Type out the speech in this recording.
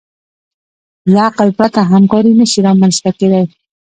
له عقل پرته همکاري نهشي رامنځ ته کېدی.